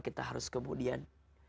kita harus kemudian